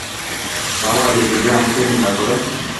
বাবা, লোকে যে আমাকেই নিন্দা করে।